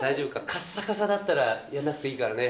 かっさかさだったら、やんなくていいからね。